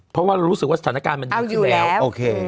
เพราะว่ารู้สึกว่าสถานการณ์มันดีขึ้นแล้วโอเค